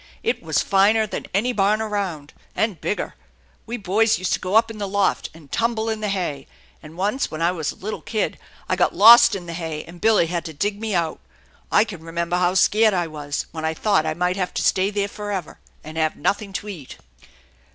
It was finer than any barn around, and bigger. We boys used to go up in the loft, and tumble in the hay; and once when I was a little kid I got lost in the hay, and Billy had to dig me out. I can remember how scared I was when I thought I might have to stay there forever, and have nothing to eat."